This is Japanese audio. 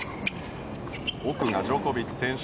奥がジョコビッチ選手。